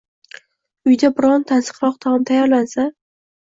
Uyda biron tansiqroq taom tayyorlansa